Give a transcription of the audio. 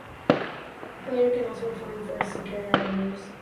The player can also perform fist and karate moves.